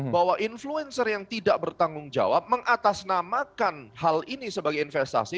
bahwa influencer yang tidak bertanggung jawab mengatasnamakan hal ini sebagai investasi